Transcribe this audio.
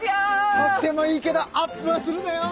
撮ってもいいけどアップはするなよ！